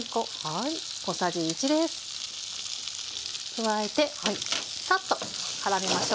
加えてさっとからめましょう。